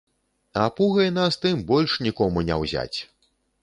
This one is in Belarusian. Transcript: А пугай нас тым больш нікому не ўзяць!